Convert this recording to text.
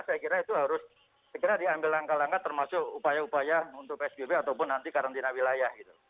saya kira itu harus segera diambil langkah langkah termasuk upaya upaya untuk psbb ataupun nanti karantina wilayah gitu